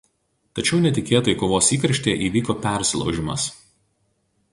Tačiau netikėtai kovos įkarštyje įvyko persilaužimas.